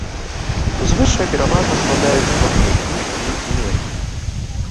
Узвышша пераважна складаюць вапнякі і мергелі.